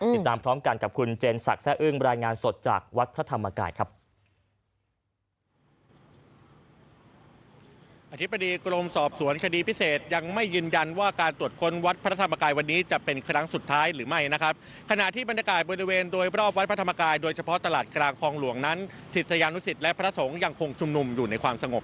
ติดตามพร้อมกันกับคุณเจนศักดิ์อึ้งรายงานสดจากวัดพระธรรมกายครับ